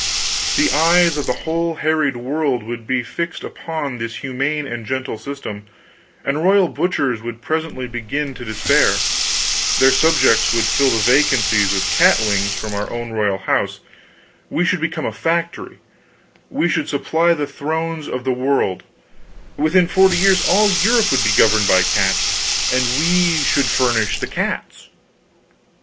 The eyes of the whole harried world would soon be fixed upon this humane and gentle system, and royal butchers would presently begin to disappear; their subjects would fill the vacancies with catlings from our own royal house; we should become a factory; we should supply the thrones of the world; within forty years all Europe would be governed by cats, and we should furnish the cats.